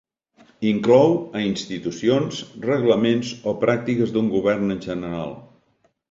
Inclou a institucions, reglaments o pràctiques d'un govern en general.